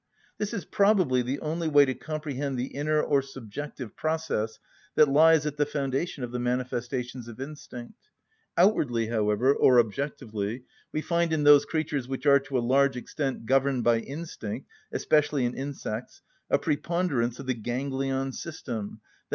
This is probably the only way to comprehend the inner or subjective process that lies at the foundation of the manifestations of instinct. Outwardly, however, or objectively, we find in those creatures which are to a large extent governed by instinct, especially in insects, a preponderance of the ganglion system, _i.